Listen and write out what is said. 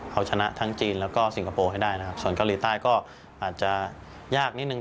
เอาชนะทั้งจีนแล้วก็สิงคโปร์ให้ได้นะครับส่วนเกาหลีใต้ก็อาจจะยากนิดนึง